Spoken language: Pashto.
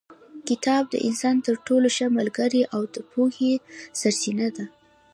کتاب د انسان تر ټولو ښه ملګری او د پوهې سرچینه ده.